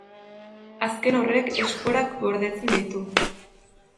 Azken horrek esporak gordetzen ditu.